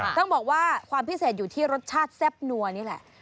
ต้องบอกว่าความพิเศษอยู่ที่รสชาติแซ่บนัวนี่แหละ